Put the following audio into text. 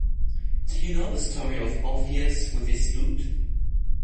Do you know the story of Orpheus with his lute?